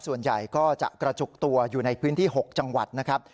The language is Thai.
ส่วนใหญ่ก็จะกระจุกตัวอยู่ในพื้นที่๖จังหวัดนะครับ